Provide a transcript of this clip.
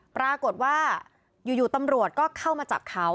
ปรากฏว่าอยู่ตำรวจก็เข้ามาจับเขา